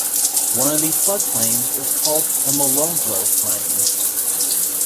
One of these floodplains is called the Molonglo Plain.